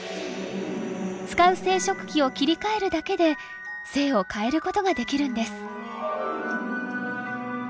使う生殖器を切り替えるだけで性を変えることができるんです。